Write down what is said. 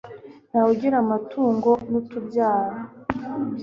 ntawe ugira amatungo n'utubyaro